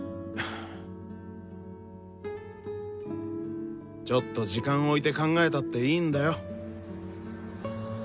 ちょっと時間置いて考えたっていいんだよ。